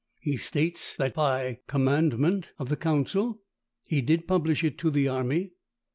He states, that by commandment of the council he did publish it to the army.